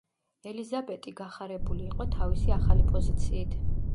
ელიზაბეტი გახარებული იყო თავისი ახალი პოზიციით.